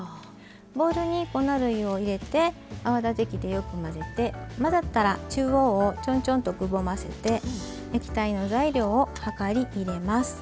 ボウルに粉類を入れて泡立て器でよく混ぜて混ざったら中央をちょんちょんとくぼませて液体の材料を量り入れます。